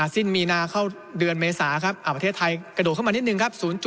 สิ้นมีนาเข้าเดือนเมษาครับประเทศไทยกระโดดเข้ามานิดนึงครับ